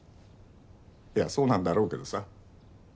いやそうなんだろうけどさ。